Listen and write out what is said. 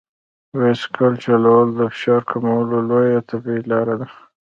بایسکل چلول د فشار کمولو یوه طبیعي لار ده.